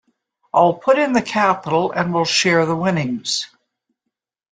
I'll put in the capital and we'll share the winnings.